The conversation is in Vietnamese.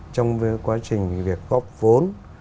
trong quá trình việc góp vốn